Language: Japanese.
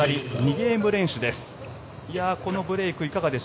ゲーム連取です。